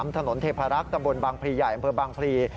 ถนนเทพารักษ์ตะบนบางพลีใหญ่อำเภอบางพลี